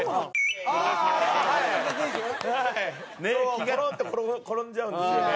コロッて転んじゃうんですよね。